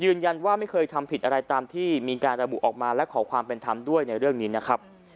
ไม่เคยทำผิดอะไรตามที่มีการระบุออกมาและขอความเป็นธรรมด้วยในเรื่องนี้นะครับ